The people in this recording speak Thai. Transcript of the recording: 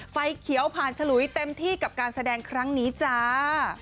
ไฟเขียวผ่านฉลุยเต็มที่กับการแสดงครั้งนี้จ้า